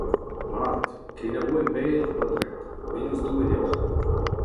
Mat ! Kenavo emberr, paotred, ha bennozh Doue deoc’h !